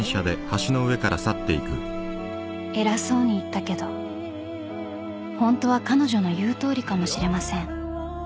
［偉そうに言ったけどホントは彼女の言うとおりかもしれません］